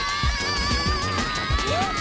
えっ！？